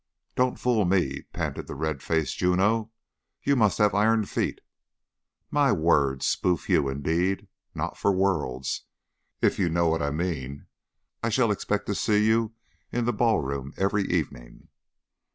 "Don't fool me," panted the red faced Juno. "You must have iron feet." "My word! Spoof you, indeed! Not for worlds, if you know what I mean? I shall expect to see you in the ballroom every evening."